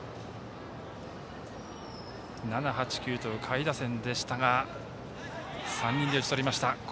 ７、８、９と下位打線でしたが３人で打ち取りました。